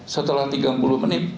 setelah tiga puluh menit